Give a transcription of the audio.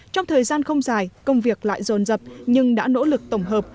trong thời gian không dài công việc lại rồn rập nhưng đã nỗ lực tổng hợp